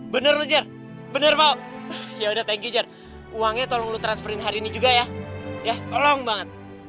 bener bener mau ya udah thank you uangnya tolong transferin hari ini juga ya ya tolong banget